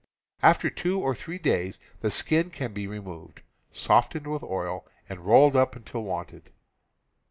After two or three days the skin can be re moved, softened with oil, and rolled up until wanted.